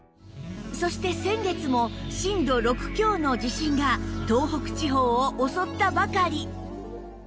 そして先月も震度６強の地震が東北地方を襲ったばかり